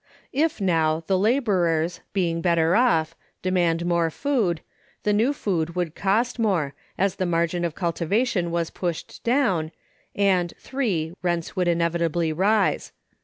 If, now, the laborers, being better off, demand more food, the new food would cost more, as the margin of cultivation was pushed down, and (3) rents would inevitably rise.